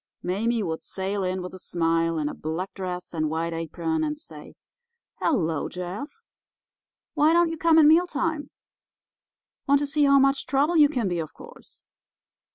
Mame would sail in with a smile, in a black dress and white apron, and say: 'Hello, Jeff —why don't you come at mealtime? Want to see how much trouble you can be, of course.